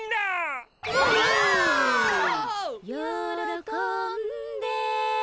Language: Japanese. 「よろこんで」